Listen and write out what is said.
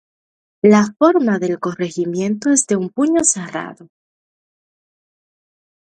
La forma del corregimiento es de un puño cerrado.